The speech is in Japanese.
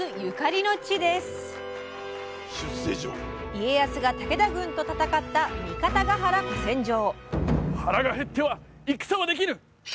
家康が武田軍と戦った三方ヶ原古戦場。